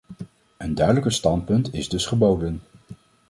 Een duidelijker standpunt is dus geboden.